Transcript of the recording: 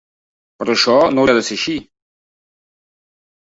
Però això no hauria de ser així.